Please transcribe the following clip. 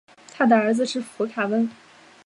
他的儿子是佛卡温。